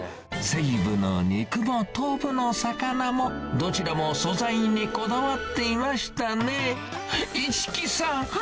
西武の肉も東武の魚も、どちらも素材にこだわっていましたね。